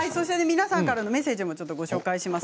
皆さんからのメッセージもご紹介します。